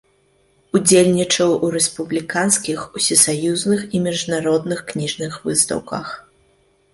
Удзельнічаў у рэспубліканскіх, усесаюзных і міжнародных кніжных выстаўках.